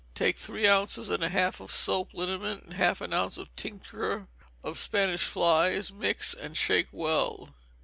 Take three ounces and a half of soap liniment, and half an ounce of tincture of Spanish flies, mix and shake well.